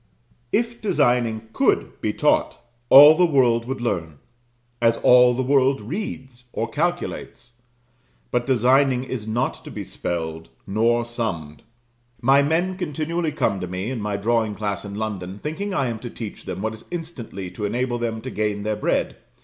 If designing could be taught, all the world would learn: as all the world reads or calculates. But designing is not to be spelled, nor summed. My men continually come to me, in my drawing class in London, thinking I am to teach them what is instantly to enable them to gain their bread.